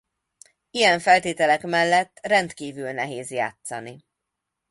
Ilyen feltételek mellett rendkívüli nehéz játszani.